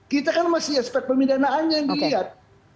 kita kan masih aspek pemidanaannya yang dilihat